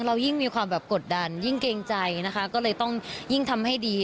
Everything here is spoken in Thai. เรายิ่งมีความแบบกดดันยิ่งเกรงใจนะคะก็เลยต้องยิ่งทำให้ดี